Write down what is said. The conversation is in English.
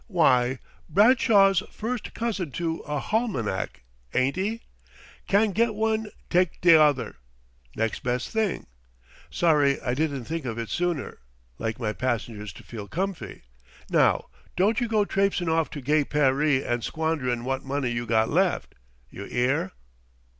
"W'y, Bradshaw's first cousin to a halmanack, ain't 'e? Can't get one, take t'other next best thing. Sorry I didn't think of it sooner; like my passengers to feel comfy.... Now don't you go trapsein' off to gay Paree and squanderin' wot money you got left. You 'ear?"